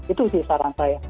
itu sih saran saya